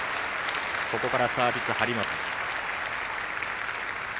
ここからサービス、張本。